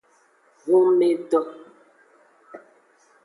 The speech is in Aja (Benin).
Hunmedo.